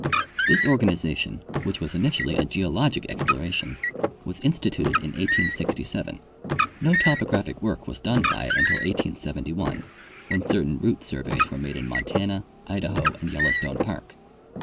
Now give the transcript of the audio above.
— This organization, which was initially a geologic exploration, was instituted in 1867. No topographic work was done by it until 1871, when certain route surveys were made in Montana, Idaho and Yellowstone park.